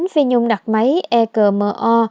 phi nhung đặt máy e cờ mơ o